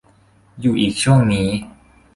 อยู่อีกช่วงนี้